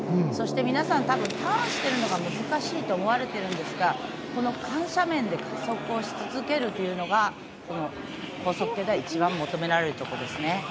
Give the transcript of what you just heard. そして皆さん多分ターンしていくのが難しいと思われているんですがこの緩斜面で加速し続けるのが高速系では一番求められるところですね。